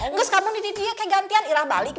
nggak sekarang dititihnya kayak gantian irah balik